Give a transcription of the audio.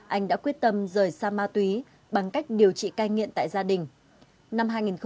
anh đã quyết tâm rời xa ma túy bằng cách điều trị cai nghiện tại gia đình